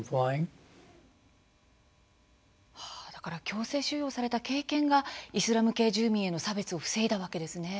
強制収容された経験がイスラム系住民への差別を防いだわけですね。